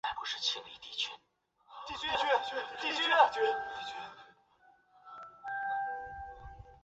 耿浩一时惊呆。